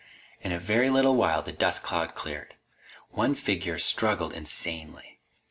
In a very little while the dust cloud cleared. One figure struggled insanely.